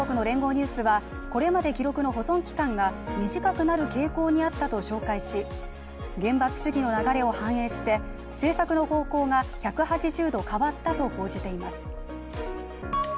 ニュースは、これまで記録の保存期間が短くなる傾向にあったと紹介し厳罰主義の流れを反映して政策の方向が１８０度変わったと報じています。